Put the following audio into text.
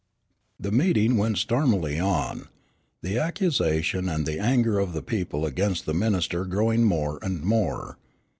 The meeting went stormily on, the accusation and the anger of the people against the minister growing more and more.